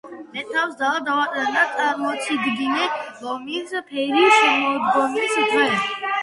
მე თავს ძალა დავატანე და წარმოციდგინე ლომის ფერი შემოდგომის დღე.